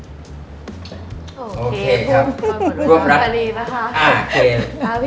ร่วมรับ